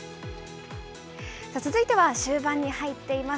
続いては終盤に入っています